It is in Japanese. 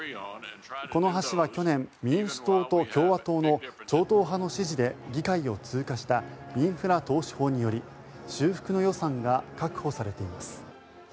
この橋は去年民主党と共和党の超党派の支持で議会を通過したインフラ投資法により修復の予算が確保されています。